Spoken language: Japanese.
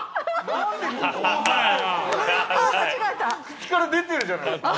◆口から出てるじゃないですか。